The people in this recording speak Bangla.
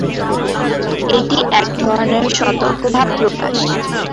এটি এক ধরনের সতর্ক ভাব প্রকাশ।